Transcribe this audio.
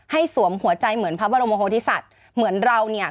ให้สวมหัวใจเหมือนพระบรมโพธิศัตริย์เหมือนเรานี่